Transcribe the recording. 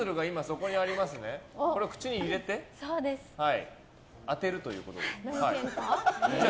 これを口に入れて当てるということで。